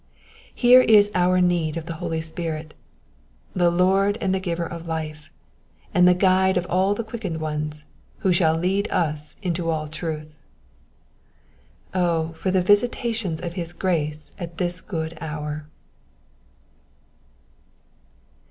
Here is our need of the oly Spirit, the Lord and giver of life, and the guide of all the quickened ones, who shall lead us into all truth. O, for the visitations of his grace at this good hour